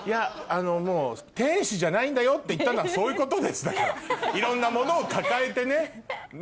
天使じゃないんだよって言ったのはそういうことですだからいろんなものを抱えてね。